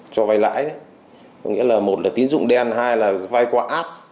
cho vay lãi có nghĩa là một là tín dụng đen hai là vay qua app